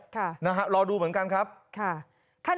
ค่ะค่ะรอดูเหมือนกันครับค่ะรอดูเหมือนกันครับ